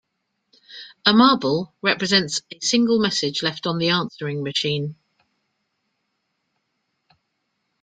A marble represents a single message left on the answering machine.